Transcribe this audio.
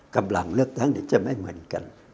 กับหลังเลือกตั้งนี่จะไม่เหมือนกัน